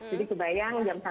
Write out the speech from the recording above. jadi kebayang jam satu